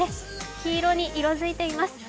黄色に色づいています。